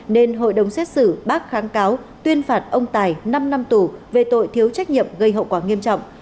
nên hội đồng xét xử bác kháng cáo tuyên phạt ông tài năm năm tù về tội thiếu trách nhiệm gây hậu quả nghiêm trọng